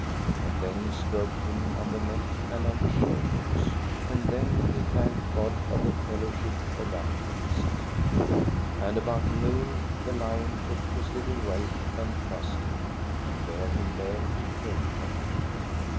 And then he stroked him on the neck and on the shoulders. And then he thanked God of the fellowship of that beast. And about noon the lion took his little whelp and trussed him and bare him there he came from.